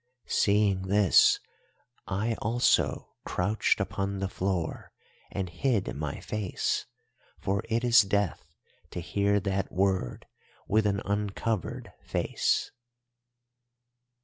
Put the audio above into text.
"Seeing this I also crouched upon the floor and hid my face, for it is death to hear that Word with an uncovered face.